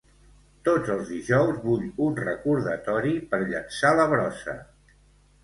Tots els dijous vull un recordatori per llençar la brossa.